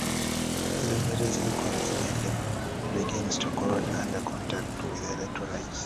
Illuminated silicon immediately begins to corrode under contact with the electrolytes.